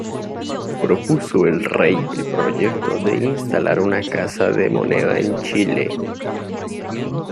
Propuso al rey el proyecto de instalar una Casa de Moneda en Chile.